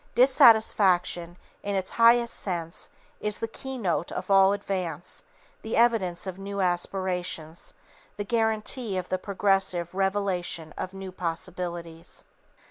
Dissatisfaction, in its highest sense, is the keynote of all advance, the evidence of new aspirations, the guarantee of the progressive revelation of new possibilities.